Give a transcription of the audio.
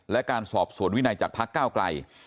และการสอบสวนวินัยจากพักก้าวไกล